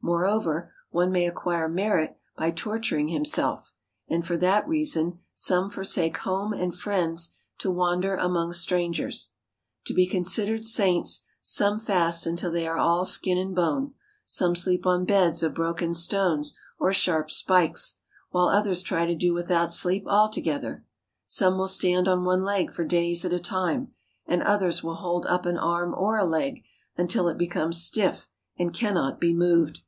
Moreover, one may acquire merit by torturing himself, and for that reason some forsake home and friends to wander among strangers. To be considered saints, some fast until they are all skin and bone ; some sleep on beds p— ....„.„..„„„..,..,,„....,.,..,„.„................ I of broken stones or sharp spikes ; while others try to do without sleep alto gether. Some will stand on one leg for days at a time, and others will hold up an arm or a leg until it becomes stiff and cannot be moved.